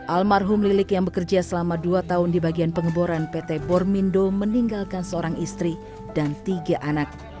almarhum lilik yang bekerja selama dua tahun di bagian pengeboran pt bormindo meninggalkan seorang istri dan tiga anak